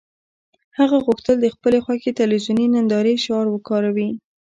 هغه غوښتل د خپلې خوښې تلویزیوني نندارې شعار وکاروي